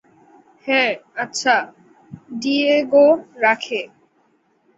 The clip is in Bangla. হ্যাঁ, আচ্ছা, ডিয়েগো রাখে।